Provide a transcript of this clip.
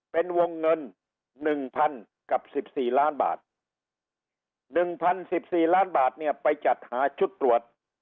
เป็นวงเงินหนึ่งพันกับสิบสี่ล้านบาทหนึ่งพันสิบสี่ล้านบาทเนี่ยไปจัดหาชุดตรวจ